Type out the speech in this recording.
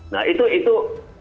nah itu itu